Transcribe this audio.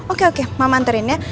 oke oke mama antarin ya